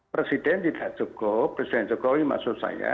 presiden tidak cukup presiden jokowi maksud saya